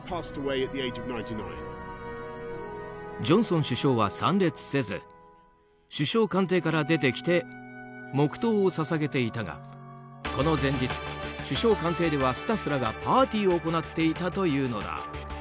ジョンソン首相は参列せず首相官邸から出てきて黙祷を捧げていたがこの前日、首相官邸ではスタッフらがパーティーを行っていたというのだ。